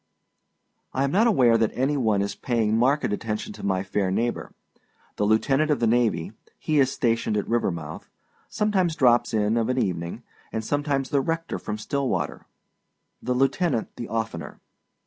I am not aware that any one is paying marked attention to my fair neighbor. The lieutenant of the navy he is stationed at Rivermouth sometimes drops in of an evening, and sometimes the rector from Stillwater; the lieutenant the oftener.